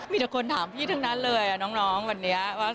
มีแต่คนถามพี่ทั้งนั้นเลยน้องวันนี้ว่า